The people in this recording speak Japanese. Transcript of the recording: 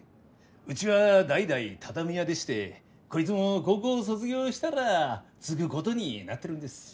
うちは代々畳屋でしてこいつも高校を卒業したら継ぐことになってるんです。